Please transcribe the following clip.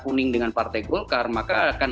kuning dengan partai golkar maka akan